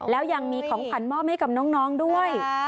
แล้วยังมีของขวัญมอบให้กับน้องด้วย